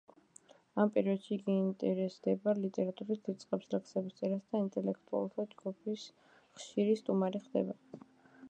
ამ პერიოდში იგი ინტერესდება ლიტერატურით, იწყებს ლექსების წერას და ინტელექტუალთა ჯგუფის ხშირი სტუმარი ხდება.